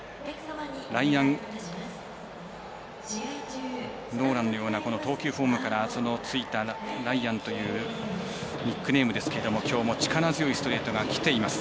ライアンのような投球フォームからついたライアンというニックネームですがきょうも力強いストレートがきています。